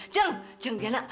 jangan jangan riana